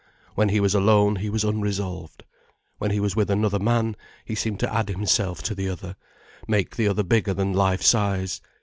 When he was alone he was unresolved. When he was with another man, he seemed to add himself to the other, make the other bigger than life size.